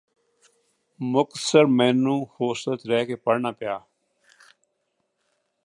ਮੁਕਤਸਰ ਮੈਨੂੰ ਹੋਸਟਲ ਚ ਰਹਿ ਕੇ ਪੜ੍ਹਨਾ ਪਿਆ